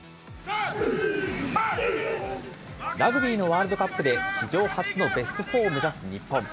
ラグビーのワールドカップで史上初のベストフォーを目指す日本。